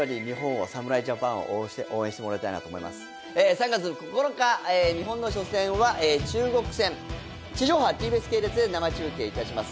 ３月９日、日本の初戦は中国戦、地上波ＴＢＳ系列で生中継いたします。